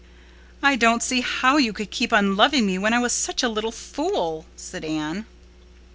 "I don't see how you could keep on loving me when I was such a little fool," said Anne.